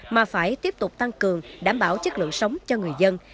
mà phải tiếp tục tăng cường đảm bảo chất lượng sống cho người dân